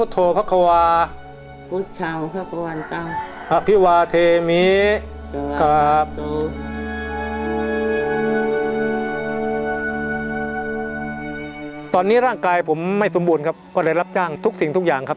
ตอนนี้ร่างกายผมไม่สมบูรณ์ครับก็เลยรับจ้างทุกสิ่งทุกอย่างครับ